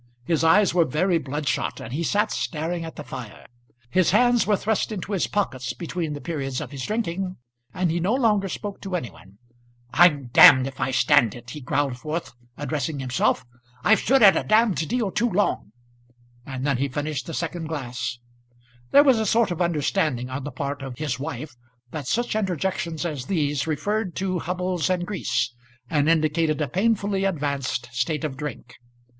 His eyes were very bloodshot, and he sat staring at the fire. His hands were thrust into his pockets between the periods of his drinking, and he no longer spoke to any one. "I'm if I stand it," he growled forth, addressing himself. "I've stood it a deal too long." And then he finished the second glass. There was a sort of understanding on the part of his wife that such interjections as these referred to Hubbles and Grease, and indicated a painfully advanced state of drink.